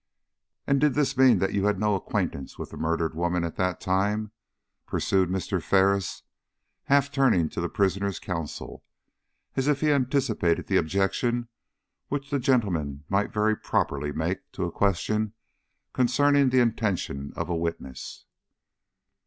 "And did this mean you had no acquaintance with the murdered woman at that time?" pursued Mr. Ferris, half turning to the prisoner's counsel, as if he anticipated the objection which that gentleman might very properly make to a question concerning the intention of a witness.